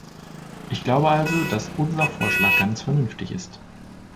Ich glaube also, dass unser Vorschlag ganz vernünftig ist.